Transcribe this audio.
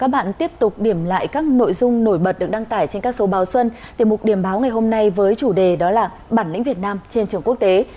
bản lĩnh việt nam trên trường quốc tế